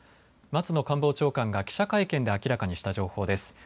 松野官房長官が記者会見で明らかにした情報です。